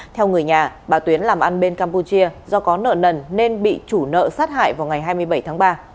theo người nhà bà tuyến làm ăn bên campuchia do có nợ nần nên bị chủ nợ sát hại vào ngày hai mươi bảy tháng ba